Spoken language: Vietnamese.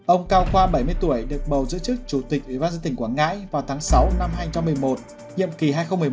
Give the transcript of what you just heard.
ông cao khoa bảy mươi tuổi được bầu giữ chức chủ tịch ủy ban dân tỉnh quảng ngãi vào tháng sáu năm hai nghìn một mươi một nhiệm kỳ hai nghìn một mươi sáu hai nghìn hai mươi một